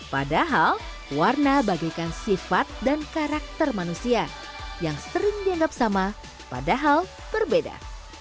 padahal warna bagaikan sifat dan karakter manusia yang sering dianggap sama padahal berbeda